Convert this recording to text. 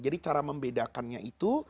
jadi cara membedakannya itu